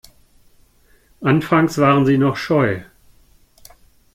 Anfangs waren sie noch scheu.